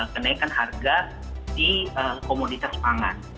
kenaikan harga di komoditas pangan